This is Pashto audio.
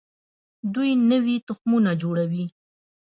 دوی نوي تخمونه جوړوي.